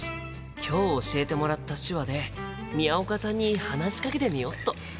今日教えてもらった手話で宮岡さんに話しかけてみよっと！